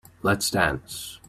Let's dance.